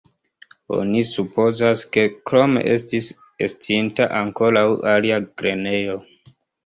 Oni supozas ke krome estis estinta ankoraŭ alia grenejo.